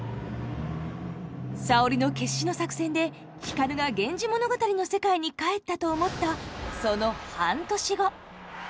沙織の決死の作戦で光が「源氏物語」の世界に帰ったと思ったその半年後。